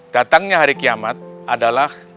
datangnya hari kiamat adalah